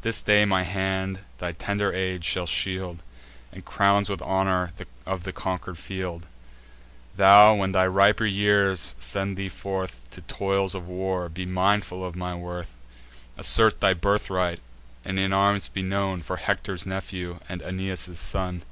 This day my hand thy tender age shall shield, And crown with honours of the conquer'd field: Thou, when thy riper years shall send thee forth To toils of war, be mindful of my worth; Assert thy birthright, and in arms be known, For Hector's nephew, and Aeneas' son."